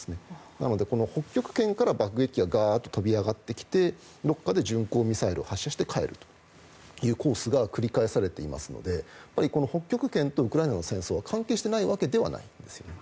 なので、この北極圏から爆撃機が飛び上がってきてどこかで巡航ミサイルを発射して帰るというコースが繰り返されていますので北極圏とウクライナの戦争は関係してないわけではないです。